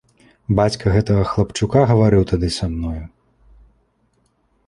Бацька гэтага хлапчука гаварыў тады са мною.